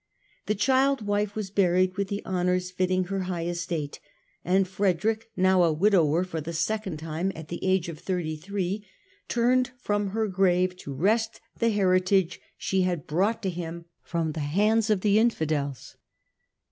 The child wife was buried with the honours fitting her high estate, and Frederick, now a widower for the second time at the age of thirty three, turned from her grave to wrest the heritage she had brought to him from the hands of the Infidels.